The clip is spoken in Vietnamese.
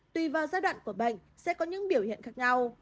tùy vào giai đoạn của bệnh sẽ có những biểu hiện khác nhau